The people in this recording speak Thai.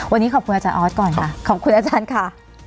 วันนี้ขอบคุณอาจารย์ออสก่อนค่ะขอบคุณอาจารย์ค่ะ